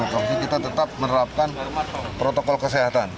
tapi kita tetap menerapkan protokol kesehatan